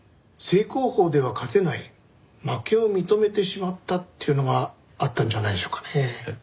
正攻法では勝てない負けを認めてしまったというのがあったんじゃないでしょうかね。